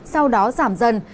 sau đó giảm dần